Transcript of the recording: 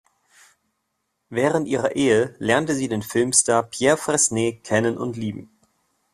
Während ihrer Ehe lernte sie den Filmstar Pierre Fresnay kennen und lieben.